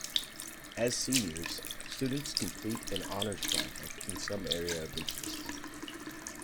As seniors, students complete an Honors Project in some area of interest.